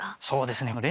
そうですね